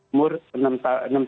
umur enam tahun kelas